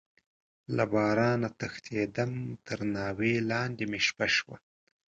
له بارانه تښتيدم، تر ناوې لاندې مې شپه شوه.